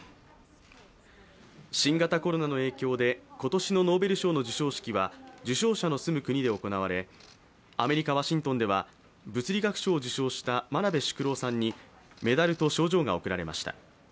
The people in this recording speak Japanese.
新型コロナの影響で今年のノーベル賞の授賞式は受賞者の住む国で行われ、アメリカ・ワシントンでは物理学賞を受賞した真鍋淑郎さんにメダルと賞状が贈られました。